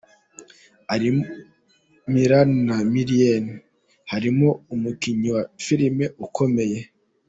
arimo Milan na Milen, harimo umukinnyi wa filime ukomeye